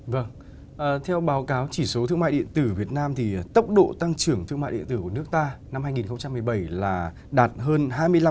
vâng theo báo cáo chỉ số thương mại điện tử việt nam thì tốc độ tăng trưởng thương mại điện tử của nước ta năm hai nghìn một mươi bảy là đạt hơn hai mươi năm